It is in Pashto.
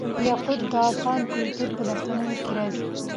یاقوت د افغان کلتور په داستانونو کې راځي.